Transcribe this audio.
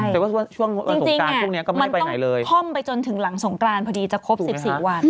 แต่ว่าจริงมันต้องท่อมไปจนถึงหลังสงกรานพอดีจะครบ๑๔วัน